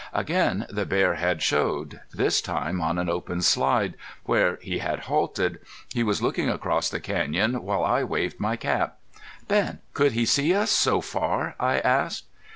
Again the bear had showed, this time on an open slide, where he had halted. He was looking across the canyon while I waved my cap. "Ben, could he see us so far?" I asked.